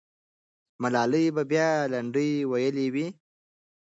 ملالۍ به بیا لنډۍ ویلي وي.